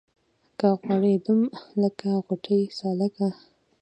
که غوړېدم لکه غوټۍ سالکه